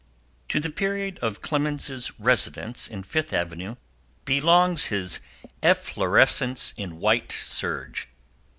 To the period of Clemens's residence in Fifth Avenue belongs his efflorescence in white serge.